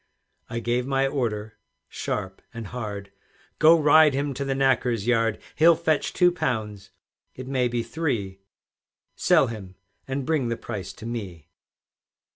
I gave my order sharp and hard, "Go, ride him to the knacker's yard; He'll fetch two pounds, it may be three; Sell him, and bring the price to me."